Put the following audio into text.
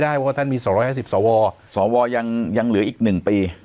เพราะว่าท่านมีสองร้อยห้าสิบสอวรสอวรยังยังเหลืออีกหนึ่งปี